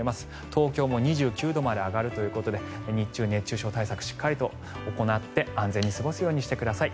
東京も２９度まで上がるということで日中、熱中症対策しっかりと行って安全に過ごすようにしてください。